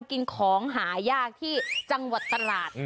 กินของหายากที่จังหวัดตราด